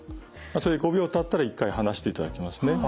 ５秒たったら一回離していただきますね。